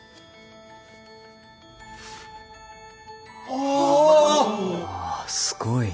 おお！ああすごい。